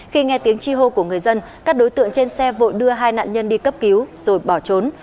khi nghe tiếng chi hô của người dân các đối tượng trên xe vội đưa hai nạn nhân đi cấp cứu rồi bỏ trốn